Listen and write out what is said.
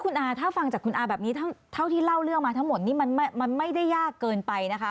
คุณอาถ้าฟังจากคุณอาแบบนี้เท่าที่เล่าเรื่องมาทั้งหมดนี่มันไม่ได้ยากเกินไปนะคะ